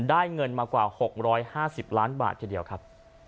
ได้เงินมากว่า๖๕๐ล้านบาททีเดียวครับ